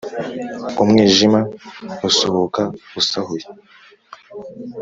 Umwijima usuhuka usahuye